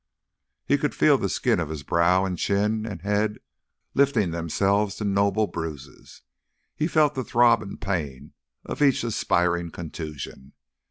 He could feel the skin of his brow and chin and head lifting themselves to noble bruises, felt the throb and pain of each aspiring contusion.